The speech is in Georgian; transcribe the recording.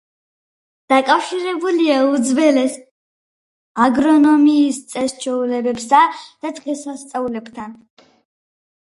დაკავშირებულია უძველეს აგრონომიის წეს-ჩვეულებებსა და დღესასწაულებთან.